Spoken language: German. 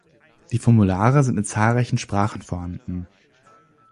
Die Formulare sind in zahlreichen Sprachen vorhanden.